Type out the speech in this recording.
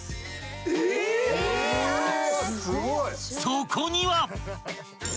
［そこには］